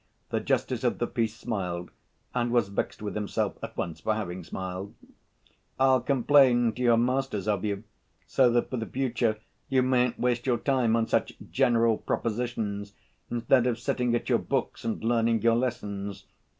The justice of the peace smiled and was vexed with himself at once for having smiled. 'I'll complain to your masters of you, so that for the future you mayn't waste your time on such general propositions, instead of sitting at your books and learning your lessons.